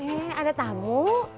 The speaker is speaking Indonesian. eh ada tamu